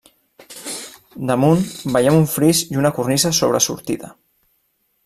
Damunt veiem un fris i una cornisa sobresortida.